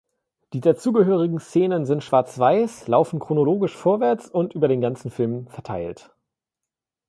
Die dazugehörigen Szenen sind schwarz-weiß, laufen chronologisch vorwärts und über den ganzen Film verteilt.